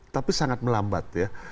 tapi sangat melambat